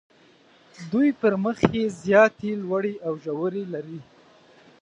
دوی پر مخ یې زیاتې لوړې او ژورې لري.